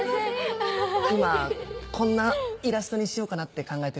今こんなイラストにしようかなって考えてるんです。